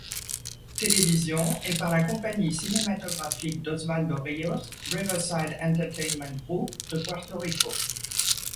Television et par la compagnie cinématographique d'Osvaldo Ríos, Riverside Entertainment Group de Puerto Rico.